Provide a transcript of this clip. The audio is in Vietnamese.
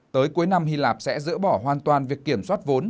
tới cuối năm hy lạp sẽ dỡ bỏ hoàn toàn việc kiểm soát vốn